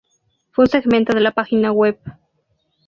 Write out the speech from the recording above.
Fue un segmento de la página web.